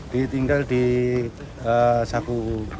ditinggal di saku